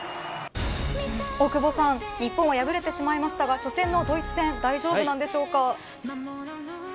大久保さん日本は敗れてしまいましたが初戦のドイツ戦大丈夫なんでしょうか。